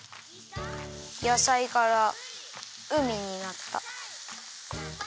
やさいから海になった！